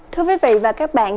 thưa quý vị và các bạn